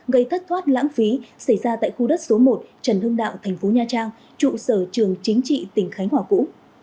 gây thất thoát lãng phí xảy ra tại khu đất số một trần hưng đạo thành phố nha trang trụ sở trường chính trị tỉnh khánh hòa cũ